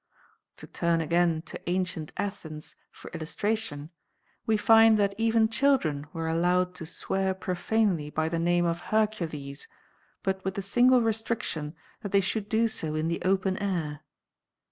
To turn again to ancient Athens for illustration, we find that even children were allowed to swear profanely by the name of Hercules, but with the single restriction that they should do so in the open air.